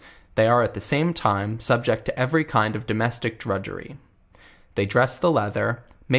They are at the game time, subject to every kind of domestic drudgery; they dress the leather, make r.